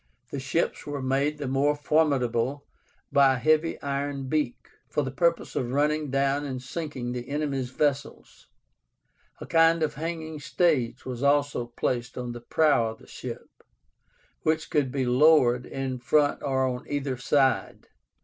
The ships were made the more formidable by a heavy iron beak, for the purpose of running down and sinking the enemy's vessels; a kind of hanging stage was also placed on the prow of the ship, which could be lowered in front or on either side.